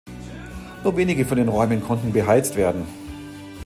Nur wenige von den Räumen konnten beheizt werden.